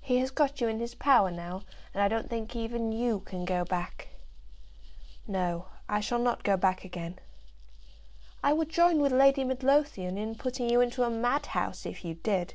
He has got you in his power now, and I don't think even you can go back." "No; I shall not go back again." "I would join with Lady Midlothian in putting you into a madhouse, if you did.